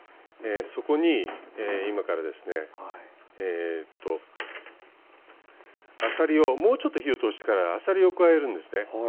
そこに今からですねえとあさりをもうちょっと火を通してからあさりを加えるんですね。